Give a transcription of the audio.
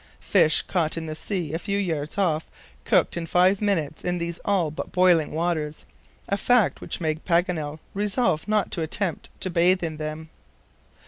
Fish caught in the sea a few yards off, cooked in five minutes in these all but boiling waters, a fact which made Paganel resolve not to attempt to bathe in them.